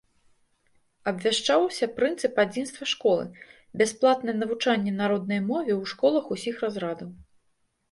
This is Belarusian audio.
Абвяшчаўся прынцып адзінства школы, бясплатнае навучанне на роднай мове ў школах усіх разрадаў.